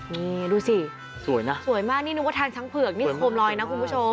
นี่ดูสิสวยนะสวยมากนี่นึกว่าทานช้างเผือกนี่โคมลอยนะคุณผู้ชม